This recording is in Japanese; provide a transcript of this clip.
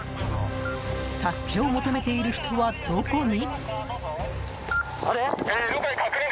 助けを求めている人はどこに？